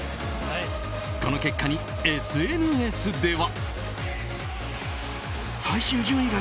この結果にＳＮＳでは。